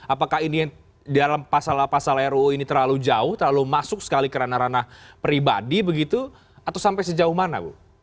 apakah ini dalam pasal pasal ruu ini terlalu jauh terlalu masuk sekali ke ranah ranah pribadi begitu atau sampai sejauh mana bu